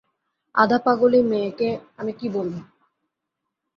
আধা-পাগল ই মেয়েকে আমি কী বলব?